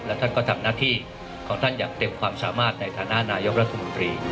และท่านก็ทำหน้าที่ของท่านอย่างเต็มความสามารถในฐานะนายกรัฐมนตรี